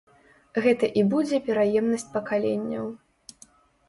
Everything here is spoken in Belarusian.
Гэта і будзе пераемнасць пакаленняў.